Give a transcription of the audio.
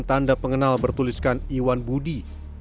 tanda pengenal bertuliskan iwan budi